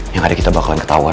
yang ada kita bakalan ketahuan